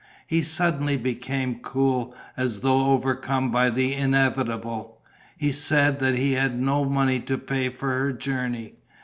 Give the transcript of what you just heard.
He suddenly became cool, as though overcome by the inevitable. He said that he had no money to pay for her journey.